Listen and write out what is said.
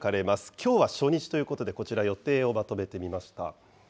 きょうは初日ということでこちら、予定をまとめてみました。